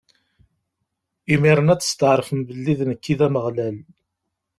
Imiren ad testɛeṛfem belli d nekk i d Ameɣlal.